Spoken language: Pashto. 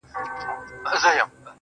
بلا وهلی يم له سترگو نه چي اور غورځي,